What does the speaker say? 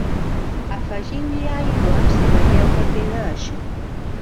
Afegiu-hi aigua si veieu que queda eixut.